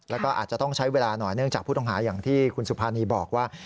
แล้วก็อาจจะต้องใช้เวลาหน่อยเนื่องจากผู้ต้องหาอย่างที่คุณสุภานีบอกว่า